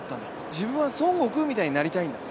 自分は孫悟空みたいになりたいんだと。